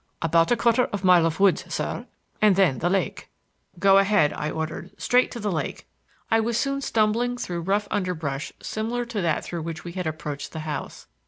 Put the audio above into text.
"About a quarter of mile of woods, sir, and then the lake." "Go ahead," I ordered, "straight to the lake." I was soon stumbling through rough underbrush similar to that through which we had approached the house.